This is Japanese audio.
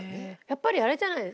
やっぱりあれじゃない？